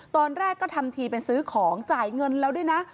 ตอนแรกก็ทำทีเป็นซื้อของจ่ายเงินแล้วด้วยนะ